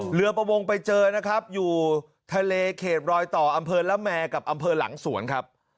เรือประมงไปเจอนะครับอยู่ทะเลเขตรอยต่ออำเภอละแมกับอำเภอหลังสวนครับ